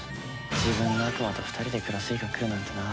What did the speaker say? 自分の悪魔と２人で暮らす日がくるなんてな。